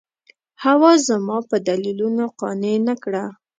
حوا زما په دلیلونو قانع نه کړه.